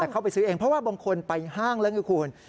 เข้าไปซื้อเองเพราะว่าบางคนไปห้างแล้วไงคุณ